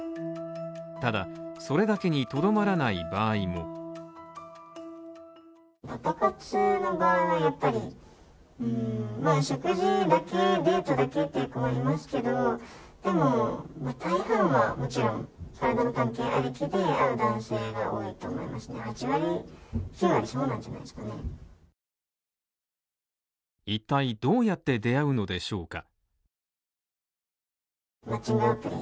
ただそれだけにとどまらない場合も一体、どうやって出会うのでしょうか？